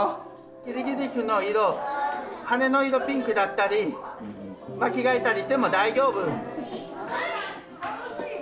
キリギリスの色羽の色ピンクだったり間違えたりしても大丈夫！